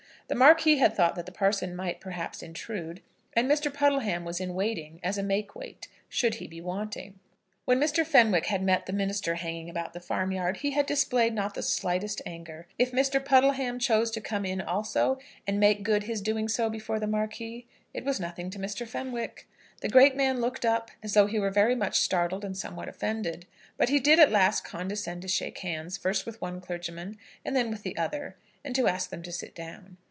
The Marquis had thought that the parson might, perhaps, intrude; and Mr. Puddleham was in waiting as a make weight, should he be wanting. When Mr. Fenwick had met the minister hanging about the farmyard, he had displayed not the slightest anger. If Mr. Puddleham chose to come in also, and make good his doing so before the Marquis, it was nothing to Mr. Fenwick. The great man looked up, as though he were very much startled and somewhat offended; but he did at last condescend to shake hands, first with one clergyman and then with the other, and to ask them to sit down.